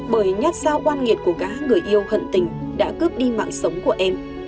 bởi nhát sao oan nghiệt của gá người yêu hận tình đã cướp đi mạng sống của em